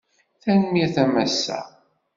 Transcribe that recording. Tanmirt a massa